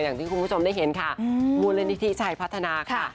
อย่างที่คุณผู้ชมได้เห็นค่ะมูลนิธิชัยพัฒนาค่ะ